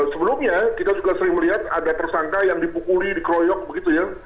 sebelumnya kita juga sering melihat ada tersangka yang dipukuli dikeroyok begitu ya